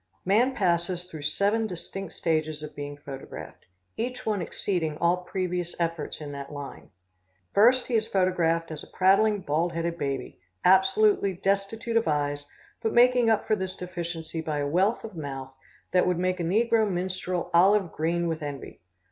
Man passes through seven distinct stages of being photographed, each one exceeding all previous efforts in that line. First he is photographed as a prattling, bald headed baby, absolutely destitute of eyes, but making up for this deficiency by a wealth of mouth that would make a negro minstrel olive green with envy.